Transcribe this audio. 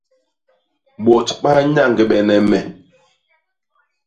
Bôt ba nyañgbene me.